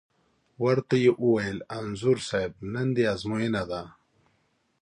ور ته یې وویل: انځور صاحب نن دې ازموینه ده.